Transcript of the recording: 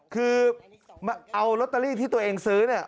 คือเอาลอตเตอรี่ที่ตัวเองซื้อเนี่ย